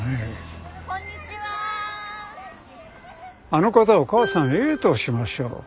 あの方を母さんＡとしましょう。